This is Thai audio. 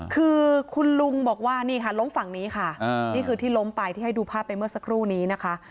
คือคุณลุงบอกว่านี่ค่ะล้มฝั่งนี้ค่ะนี่คือที่ล้มไปที่ให้ดูภาพไปเมื่อสักครู่นี้นะคะ